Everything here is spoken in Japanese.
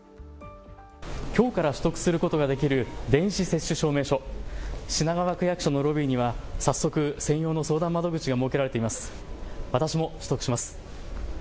きょうから取得することができる電子証明書、品川区役所のロビーには早速専用の相談窓口が設けられています。